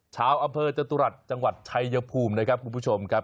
ชาวอำเภอจตุรัสจังหวัดชัยภูมินะครับคุณผู้ชมครับ